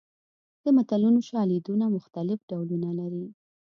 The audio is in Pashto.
د متلونو شالیدونه مختلف ډولونه لري